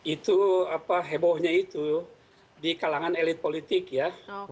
itu hebohnya itu di kalangan elit politik ya